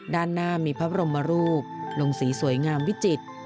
ด้านหน้ามีพระบรมรูปลงสีสวยงามวิจิตร